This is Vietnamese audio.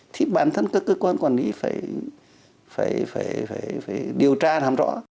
thì bản thân các cơ quan quản lý phải điều tra làm rõ